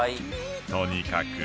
とにかく